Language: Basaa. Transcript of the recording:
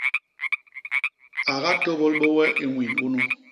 A gatôbôl bé we i ñwin unu.